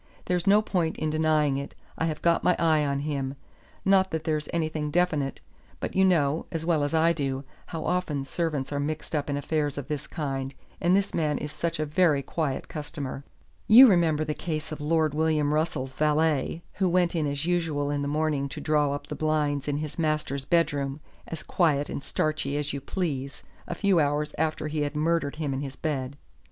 There's no point in denying it. I have got my eye on him. Not that there's anything definite; but you know, as well as I do, how often servants are mixed up in affairs of this kind, and this man is such a very quiet customer. You remember the case of Lord William Russell's valet, who went in as usual in the morning to draw up the blinds in his master's bedroom, as quiet and starchy as you please, a few hours after he had murdered him in his bed.